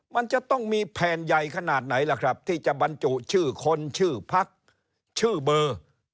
มันจะต้องมีแผ่นใหญ่ขนาดไหนล่ะครับที่จะบรรจุชื่อคนชื่อพักชื่อเบอร์